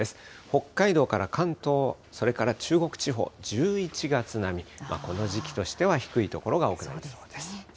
北海道から関東、それから中国地方、１１月並み、この時期としては低い所が多くなりそうです。